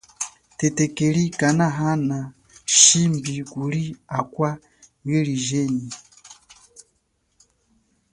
Thetekeli kanahana shimbi kuli akwa miliye jenyi.